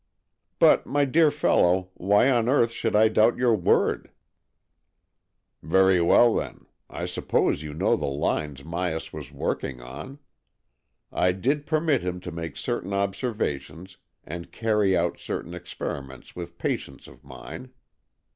" But, my dear fellow, why on earth should I doubt your word ?"" Very well, then. I suppose you know the lines Myas was working on. I did permit AN EXCHANGE OF SOULS 105 him to make certain observations and carry out certain experiments with patients of mine.